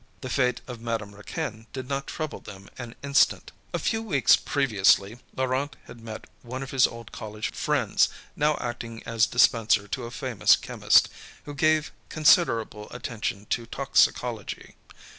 The fate of Madame Raquin did not trouble them an instant. A few weeks previously, Laurent had met one of his old college friends, now acting as dispenser to a famous chemist, who gave considerable attention to toxicology.